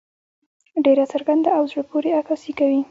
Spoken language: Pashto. ډېره څرګنده او زړۀ پورې عکاسي کوي.